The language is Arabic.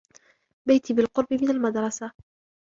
بيتي بالقُرب من المدرسة.